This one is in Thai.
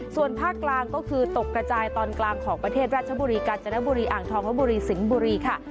ส่วนภาคกลางก็คือตกกระจายตอนกลางของประเทศราชบุรีกาญจนบุรีอ่างทองลบบุรีสิงห์บุรีค่ะ